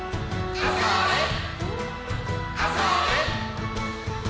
あ、それっ。